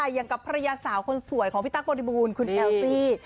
อย่างกับภรรยาสาวคนสวยของพี่ตั๊กบริบูรณ์คุณแอลซี่